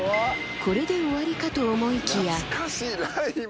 これで終わりかと思いきや。